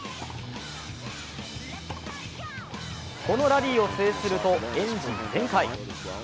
このラリーを制するとエンジン全開。